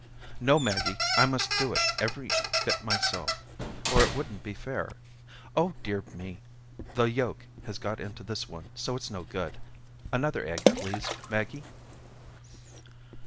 "No, Maggie, I must do it every bit myself or it wouldn't be fair. Oh, dear me. The yolk has got into this one so it's no good. Another egg, please, Maggie."